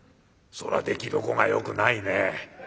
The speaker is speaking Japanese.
「そらできどこがよくないねえ。